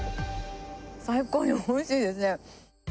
最高においしいですね。